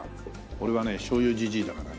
俺はねしょう油じじいだからね。